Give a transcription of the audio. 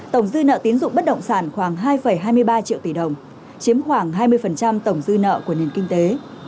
tổng dư nợ tiến dụng bất động sản khoảng hai hai mươi ba triệu tỷ đồng chiếm khoảng hai mươi tổng dư nợ của nền kinh tế